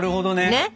ねっ！